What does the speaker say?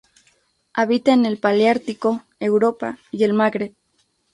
Habita en el paleártico: Europa y el Magreb.